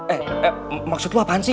eh maksud lo apaan sih